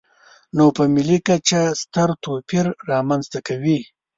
نو په ملي کچه ستر توپیر رامنځته کوي.